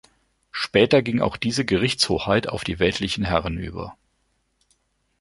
Später ging auch diese Gerichtshoheit auf die weltlichen Herren über.